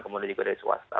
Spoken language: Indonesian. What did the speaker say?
kemudian juga dari swasta